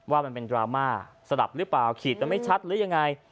ว่ามันเป็นดราม่าสลับหรือเปล่าขีดกันไม่ชัดหรือยังไง